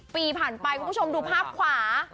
ปีผ่านไปคุณผู้ชมดูภาพขวา